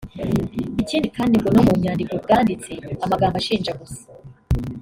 Ikindi kandi ngo no mu nyandiko bwanditse amagambo ashinja gusa